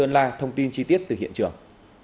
là thông tin chi tiết từ hiện trường